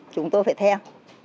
chúng tôi phải theo